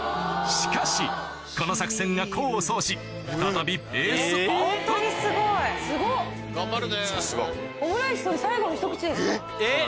しかしこの作戦が功を奏し再びペースアップすごっ。